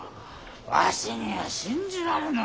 わしには信じられぬ。